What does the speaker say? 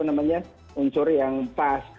untuk menggunakan unsur yang pas